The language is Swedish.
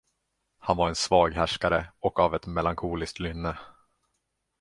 Han var en svag härskare och av ett melankoliskt lynne.